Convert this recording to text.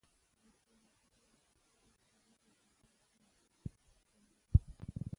د مطبوعاتو ازادي او مسوولیت پېژندنه اصلاحات راولي.